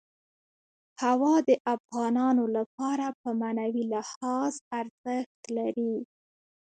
هوا د افغانانو لپاره په معنوي لحاظ ارزښت لري.